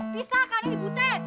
bisa karena di buten